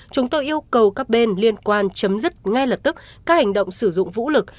chúng tôi yêu cầu các bên liên quan chấm dứt ngay lập tức các hành động sử dụng vũ lực